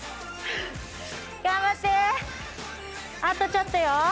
あとちょっとよ。